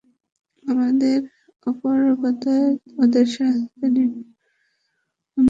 আমাদের অপারগতায় ওদের অসহায় নির্মম মৃত্যু যেন আমাদের অন্ধ করে দেয়।